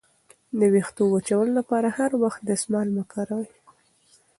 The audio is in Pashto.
د ویښتو وچولو لپاره هر وخت دستمال مه کاروئ.